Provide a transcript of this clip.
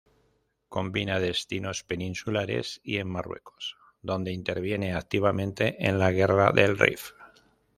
Combina destinos peninsulares y en Marruecos, donde interviene activamente en la Guerra del Rif.